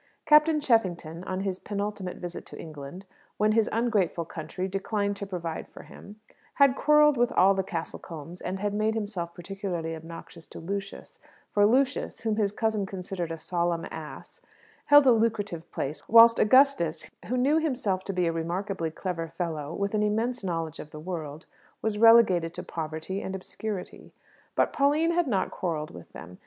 Captain Cheffington, on his penultimate visit to England, when his ungrateful country declined to provide for him, had quarrelled with all the Castlecombes, and had made himself particularly obnoxious to Lucius; for Lucius, whom his cousin considered a solemn ass, held a lucrative place, whilst Augustus, who knew himself to be a remarkably clever fellow, with immense knowledge of the world, was relegated to poverty and obscurity. But Pauline had not quarrelled with them.